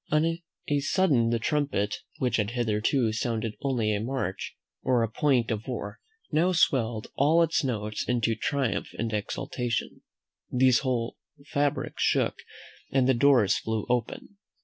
On a sudden the trumpet, which had hitherto sounded only a march, or a point of war, now swelled all its notes into triumph and exultation. The whole fabric shook, and the doors flew open.